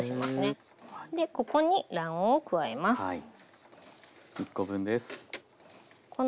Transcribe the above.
ここに卵黄を加えます。